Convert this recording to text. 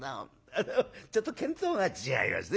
ちょっと見当が違いますね。